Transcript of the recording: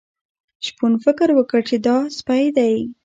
شپون فکر وکړ چې دا سپی دی.